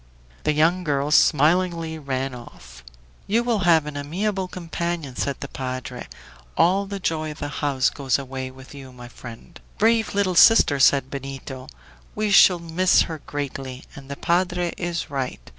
The young girl smilingly ran off. "You will have an amiable companion," said the padre. "All the joy of the house goes away with you, my friend." "Brave little sister!" said Benito, "we shall miss her greatly, and the padre is right.